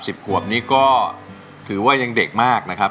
สิบขวบนี้ก็ถือว่ายังเด็กมากนะครับ